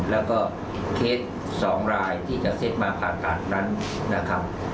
แล้วก็เคล็ดสองรายที่จะเซ็ตมาผ่านต่างนั้น